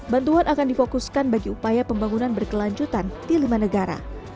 bantuan akan difokuskan bagi upaya pembangunan berkelanjutan di lima negara